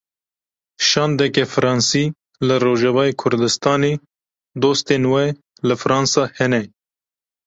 Şandeke Fransî li Rojavayê Kurdistanê: Dostên we li Fransa hene.